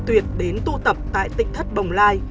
tuyệt đến tu tập tại tỉnh thất bồng lai